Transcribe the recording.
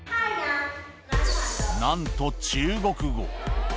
なんと中国語。